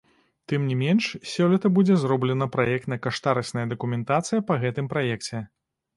Тым не менш, сёлета будзе зроблена праектна-каштарысная дакументацыя па гэтым праекце.